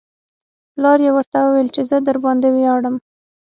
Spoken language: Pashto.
پلار یې ورته وویل چې زه درباندې ویاړم